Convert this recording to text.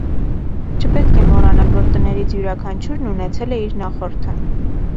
Չպետք է մոռանալ, որ տներից յուրաքանչյուրն ունեցել է իր նախորդը։